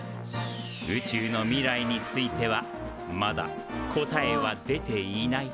宇宙の未来についてはまだ答えは出ていない。